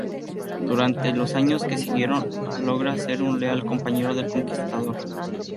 Durante los años que siguieron, logra ser un leal compañero del Conquistador.